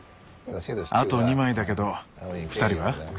あと２枚だけどふたりは？